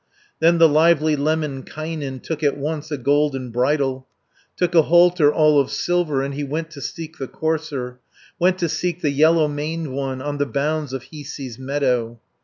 Then the lively Lemminkainen Took at once a golden bridle, 280 Took a halter all of silver, And he went to seek the courser, Went to seek the yellow maned one, On the bounds of Hiisi's meadow.